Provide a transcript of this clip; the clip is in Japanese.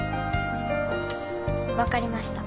分かりました。